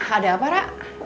ada apa ra